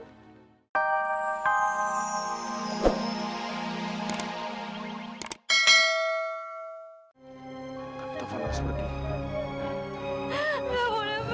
udah mendinggal dunia ma